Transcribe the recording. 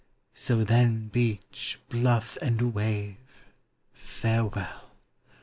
So then, beach, bluff, and wave, farewell !